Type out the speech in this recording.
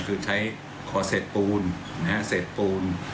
คือใช้ขอเศษปูนเศษปูน